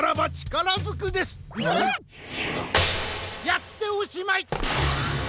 やっておしまい！